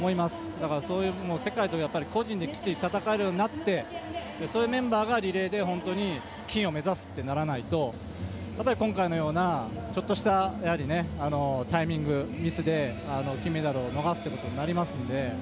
だから、そういう世界と個人できっちり戦えるようになってそういうメンバーがリレーで金を目指すってならないと今回のようなちょっとしたタイミングミスで金メダルを逃すことになりますので。